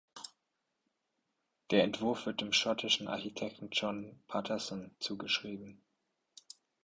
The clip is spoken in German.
Der Entwurf wird dem schottischen Architekten John Paterson zugeschrieben.